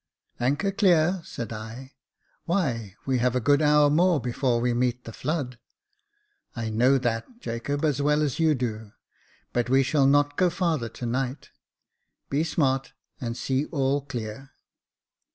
Anchor clear !" said I. "Why, we have a good hour more before we meet the flood." "I know that, Jacob, as well as you do; but we shall not go farther to night. Be smart, and see all clear."